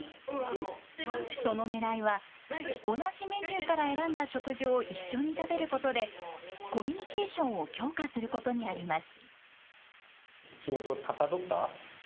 そのねらいは同じメニューから選んだ食事を一緒に食べることでコミュニケーションを強化することにあります。